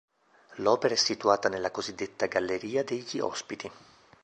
L'opera è situata nella cosiddetta "Galleria degli ospiti".